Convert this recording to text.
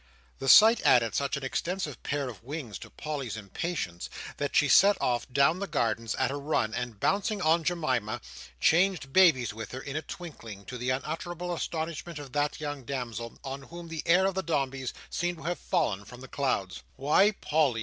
The sight added such an extensive pair of wings to Polly's impatience, that she set off down the Gardens at a run, and bouncing on Jemima, changed babies with her in a twinkling; to the unutterable astonishment of that young damsel, on whom the heir of the Dombeys seemed to have fallen from the clouds. "Why, Polly!"